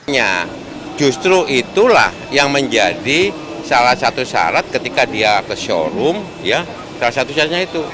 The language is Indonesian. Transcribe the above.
nah justru itulah yang menjadi salah satu syarat ketika dia ke showroom ya salah satu syaratnya itu